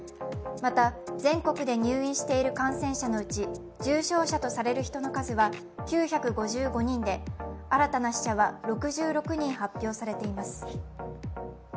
また全国で入院している感染者のうち重症者とされる人の数は９５５人で新たな死者は６６人発表されています。